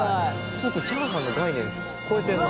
ちょっとチャーハンの概念超えてるな。